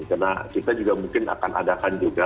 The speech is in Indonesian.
karena kita mungkin juga akan juga